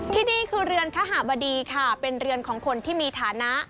ที่นี่คือเรือนคหบดีค่ะเป็นเรือนของคนที่มีฐานะ